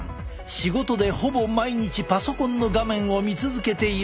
仕事でほぼ毎日パソコンの画面を見続けているという。